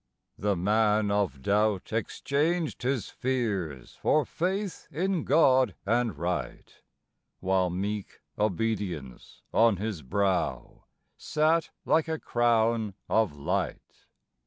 The man of doubt exchanged his fears for faith in God and right, While meek obedience on his brow sat like a crown of light.